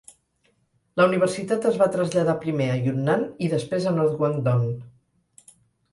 La universitat es va traslladar primer a Yunnan, i després a North Guangdong.